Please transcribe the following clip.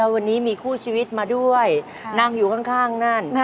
วันนี้มีคู่ชีวิตมาด้วยนั่งอยู่ข้างนั่น